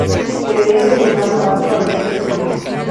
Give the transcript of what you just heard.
Debería ser llamado Alto Alberdi Sur.